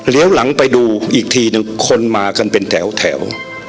เลี้ยวหลังไปดูอีกทีหนึ่งคนมากันเป็นแถว